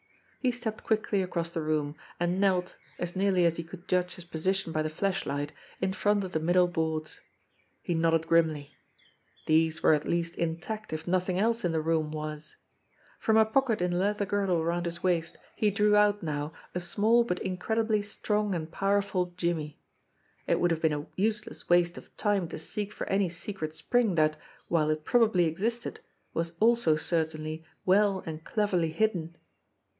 He stepped quickly across the room, and knelt, as nearly as he could judge his position by the flashlight, in front of the middle boards. He nodded grimly. These were at least intact if nothing else in the room was ! From a pocket in the leather girdle around his waist he drew out now a small, but incredibly strong and powerful "jimmy." It would have been a useless waste of time to seek for any secret spring that, while it probably existed, was also certainly well and cleverly hidden.